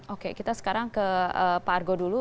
oke kita sekarang ke pak argo dulu